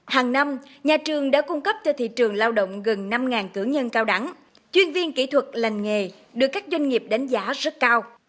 hàng năm nhà trường đã cung cấp cho thị trường lao động gần năm cử nhân cao đẳng chuyên viên kỹ thuật lành nghề được các doanh nghiệp đánh giá rất cao